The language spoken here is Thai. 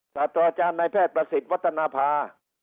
สัตว์อาจารย์ในแพทย์ประศิษฐ์วัฒนภา